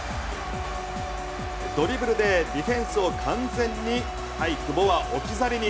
ドリブルでディフェンスを完全に久保は置き去りに。